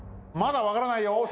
まだ分からないよ。